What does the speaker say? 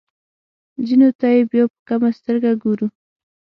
ځینو ته یې بیا په کمه سترګه ګورو.